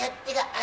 あ。